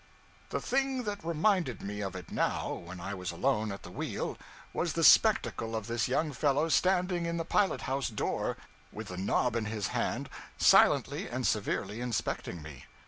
The thing that reminded me of it now, when I was alone at the wheel, was the spectacle of this young fellow standing in the pilot house door, with the knob in his hand, silently and severely inspecting me.